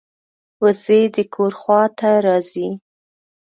وزې د کور خوا ته راځي